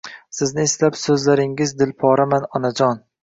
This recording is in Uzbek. Sizni eslab suzlaringiz dilporaman Onajon